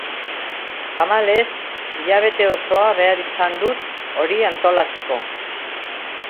Tamalez, hilabete osoa behar izan dut hori antolatzeko.